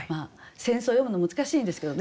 戦争を詠むの難しいんですけどね